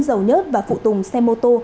dầu nhất và phụ tùng xe mô tô